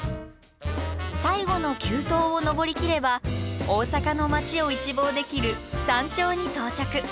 最後の急登を登りきれば大阪の街を一望できる山頂に到着。